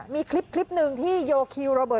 มีคลิปนึงที่โยคิวโรเบิร์ตออกมา